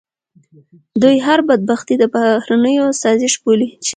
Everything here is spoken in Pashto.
دوی هر بدبختي د بهرنیو سازش بولي.